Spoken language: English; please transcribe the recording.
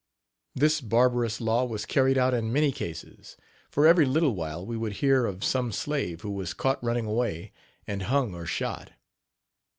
This barbarous law was carried out in many cases, for every little while we would hear of some slave who was caught running away, and hung or shot.